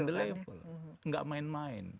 di level tidak main main